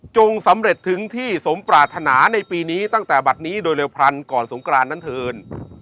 สำเร็จถึงที่สมปรารถนาในปีนี้ตั้งแต่บัตรนี้โดยเร็วพรรณก่อนสงกรานนั้นเถิน